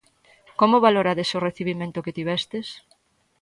Como valorades o recibimento que tivestes?